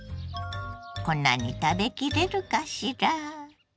こんなに食べきれるかしら？